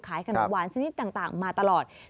ขนมหวานชนิดต่างมาตลอด